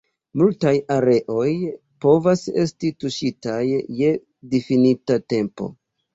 Multaj areoj povas esti tuŝitaj je difinita tempo.